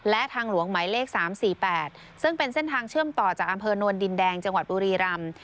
และทางหลวงหมายเลข๓๔๘ซึ่งเป็นเส้นทางเชื่อมต่อจากอำเภอนวลดินแดงจังหวัดบุรีรำ